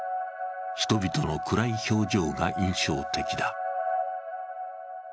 人々の暗い表情が印象的だ。